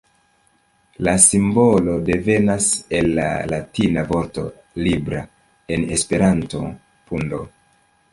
La simbolo devenas el la latina vorto "libra", en Esperanto "pundo".